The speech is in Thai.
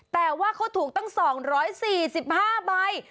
แต่ว่าเขาถูกตั้ง๒๔๕ใบ